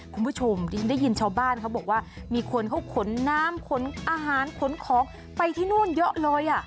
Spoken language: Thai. คุณผู้ชมที่ได้ยินชาวบ้านเขาบอกว่ามีคนเขาขนน้ำขนอาหารขนของไปที่นู่นเยอะเลย